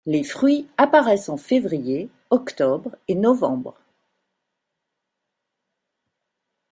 Les fruits apparaissent en février, octobre et novembre.